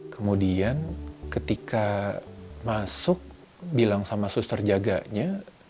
kemudian ketika masuk bilang sama suster jaganya